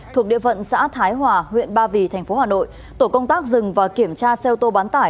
thuộc địa phận xã thái hòa huyện ba vì tp hcm tổ công tác dừng và kiểm tra xe ô tô bán tải